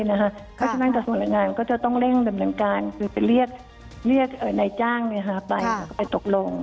เพราะฉะนั้นกระทรวงแรงงานก็จะต้องเร่งดำเนินการคือไปเรียกนายจ้างไปไปตกลง